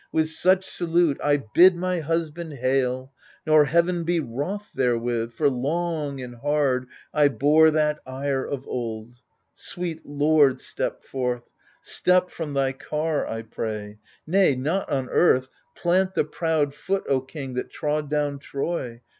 With such salute I bid my husband hail 1 Nor heaven be wroth therewith ! for long and hard I bore that ire of old. Sweet lord, step forth. Step from thy car, I pray — nay, not on earth Plant the proud foot, O king, that trod down Troy